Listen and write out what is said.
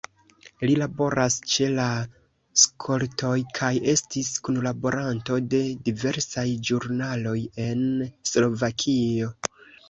Li laboras ĉe la skoltoj kaj estis kunlaboranto de diversaj ĵurnaloj en Slovakio.